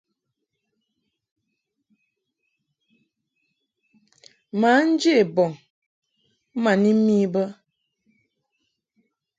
Mǎ nje bɔŋ ma ni mi bə.